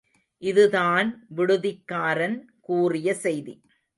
இதுதான் விடுதிக்காரன் கூறிய செய்தி.